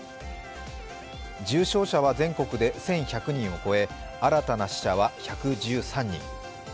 重症者は全国で１１００人を超え新たな死者は１１３人。